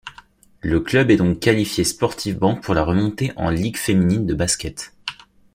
Le club est donc qualifiée sportivement pour la remontée en Ligue féminine de basket.